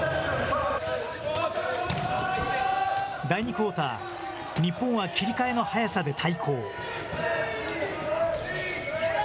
第２クオーター、日本は切り替えの速さで対抗。